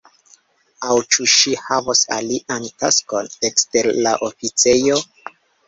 Aŭ ĉu ŝi havos alian taskon, ekster la oficejo?